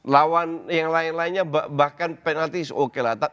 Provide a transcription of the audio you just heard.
lawan yang lain lainnya bahkan penalti oke lah